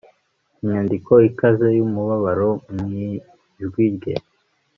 Inyandiko ikaze yumubabaro mwijwi rye